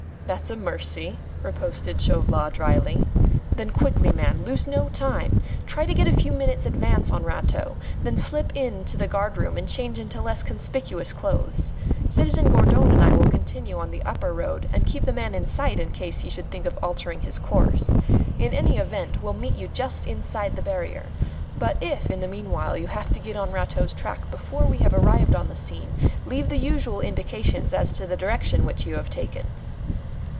"That's a mercy!" riposted Chauvelin dryly. "Then quickly man. Lose no time! Try to get a few minutes' advance on Rateau; then slip in to the guard room to change into less conspicuous clothes. Citizen Gourdon and I will continue on the upper road and keep the man in sight in case he should think of altering his course. In any event, we'll meet you just inside the barrier. But if, in the meanwhile, you have to get on Rateau's track before we have arrived on the scene, leave the usual indications as to the direction which you have taken."